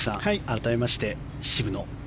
改めまして、渋野。